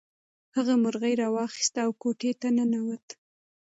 هغه مرغۍ راواخیسته او کوټې ته ننووت.